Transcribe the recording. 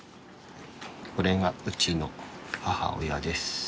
これがうちの母親です。